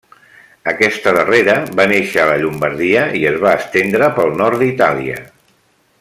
Aquesta darrera va néixer a la Llombardia i es va estendre pel nord d'Itàlia.